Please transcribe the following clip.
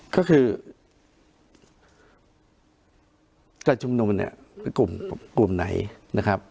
ก็คือการชุมนุมกลุ่มไหนนะครับ